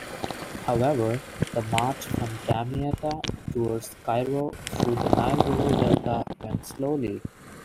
However, the march from Damietta toward Cairo through the Nile River Delta went slowly.